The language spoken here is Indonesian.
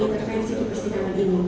intervensi ke persidangan ini